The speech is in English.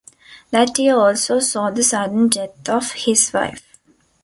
That year also saw the sudden death of his wife.